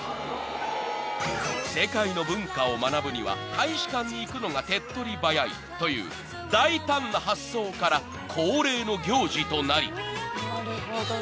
［世界の文化を学ぶには大使館に行くのが手っ取り早いという大胆な発想から恒例の行事となり］